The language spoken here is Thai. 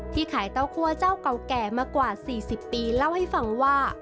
ขายเต้าคั่วเจ้าเก่าแก่มากว่า๔๐ปีเล่าให้ฟังว่า